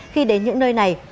khi đến những nơi này